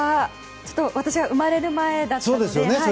私は生まれる前だったので。